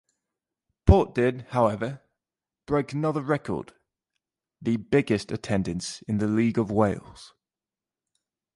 Port did, however, break another record-the biggest attendance in the League of Wales.